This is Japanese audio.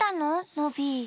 ノビー。